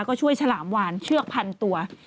ก็ช่วยฉลามวานเชือกพันตัว